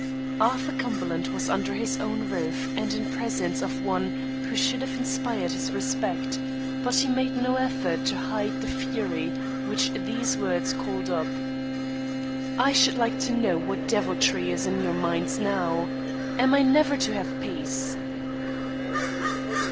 Arthur Cumberland was under his own roof and in presence of one who should have inspired his respect; but he made no effort to hide the fury which these words called up. "I should like to know what deviltry is in your minds now. Am I never to have peace?"